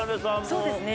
そうですね